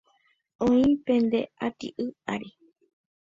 Oĩ pende ati'y ári